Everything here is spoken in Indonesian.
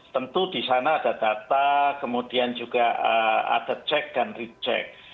tentu di sana ada data kemudian juga ada cek dan recheck